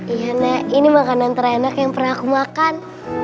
iya nak ini makanan terenak yang pernah aku makan